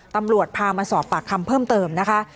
ตำรวจพามาสอบปากคำเพิ่มเติมนะคะ